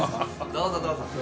どうぞどうぞ。